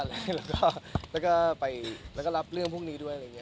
แล้วก็รับเรื่องพวกนี้ด้วย